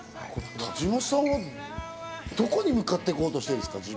田島さんはどこに向かって行こうとしてるんですか？